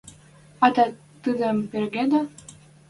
А тӓ тӹдӹм перегедӓ?